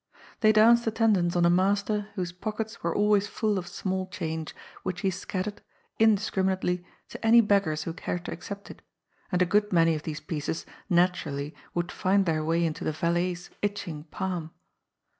They danced attendance on a master whose pockets were always full of small change, which he scattered, indiscrimi nately, to any beggars who cared to accept it, and a good many of these pieces naturally would find their way into the valet^s itching palm.